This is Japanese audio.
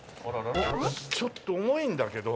「ちょっと重いんだけど。